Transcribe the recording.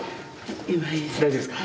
大丈夫ですか？